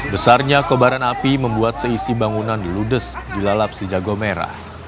besarnya kobaran api membuat seisi bangunan ludes dilalap si jago merah